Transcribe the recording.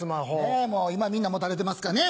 もう今みんな持たれてますかね。